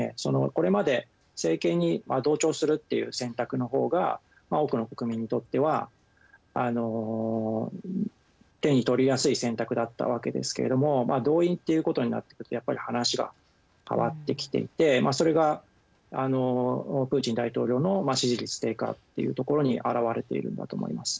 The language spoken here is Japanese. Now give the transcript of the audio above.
これまで政権に同調するっていう選択の方が多くの国民にとっては手に取りやすい選択だったわけですけれども動員っていうことになってくるとやっぱり話が変わってきていて、それがプーチン大統領の支持率低下っていうところに表れているんだと思います。